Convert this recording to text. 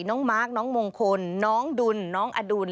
น้องมาร์คน้องมงคลน้องดุลน้องอดุล